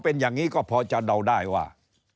เป็นอย่างนี้ก็พอจะเดาได้ว่า